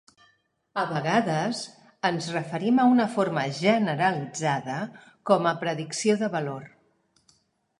A vegades, ens referim a una forma generalitzada com a predicció de valor.